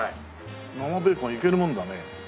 生ベーコンいけるもんだね。